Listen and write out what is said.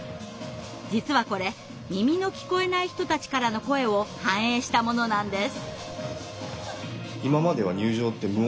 実はこれ耳の聞こえない人たちからの声を反映したものなんです。